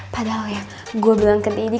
padahal ya gue bilang ke didi